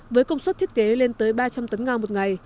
với công suất thiết kế lên tới ba trăm linh tấn ngao một ngày